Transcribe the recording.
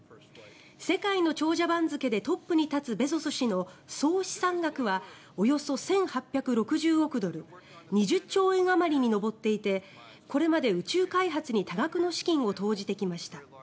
世界の長者番付でトップに立つベゾス氏の総資産額はおよそ１８６０億ドル２０兆円あまりに上っていてこれまで宇宙開発に多額の資金を投じてきました。